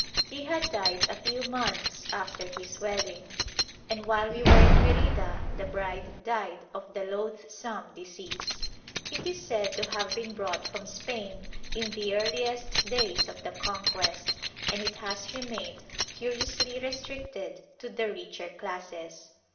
He had died a few months after his wedding, and while we were in Merida the bride died of the loathsome disease. It is said to have been brought from Spain in the earliest days of the Conquest, and it has remained curiously restricted to the richer classes.